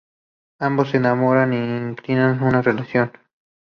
Ambos se enamoran e inician una relación.